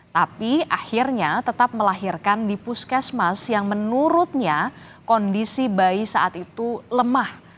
tapi akhirnya tetap melahirkan di puskesmas yang menurutnya kondisi bayi saat itu lemah